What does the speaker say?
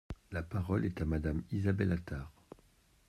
La parole est à Madame Isabelle Attard.